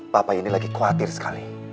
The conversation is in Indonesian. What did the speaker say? bapak ini lagi khawatir sekali